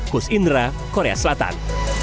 kus indra korea selatan